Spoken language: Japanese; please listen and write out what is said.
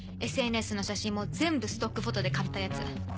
ＳＮＳの写真も全部ストックフォトで買ったやつ。